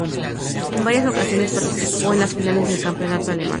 En varias ocasiones participó en las finales del campeonato alemán.